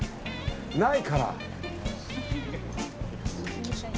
ないから。